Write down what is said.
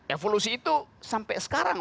evolusi itu sampai sekarang